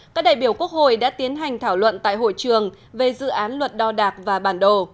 các đại biểu quốc hội đã tiến hành thảo luận tại hội trường về dự án luật đo đạc và bản đồ